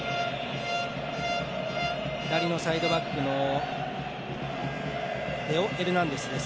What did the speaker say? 左のサイドバックのテオ・エルナンデスです。